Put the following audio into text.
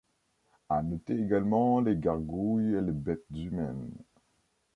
À noter également les gargouilles et les têtes humaines.